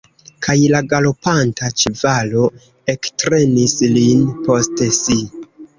Kaj la galopanta ĉevalo ektrenis lin post si.